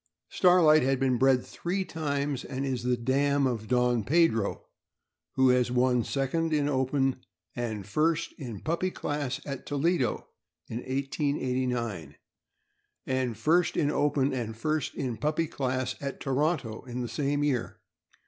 Starlight has been bred three times, and is the dam of Don Pedro, who has won second in open and first in puppy class at Toledo, in 1889, and first in open and first in puppy class at Toronto, in the same year.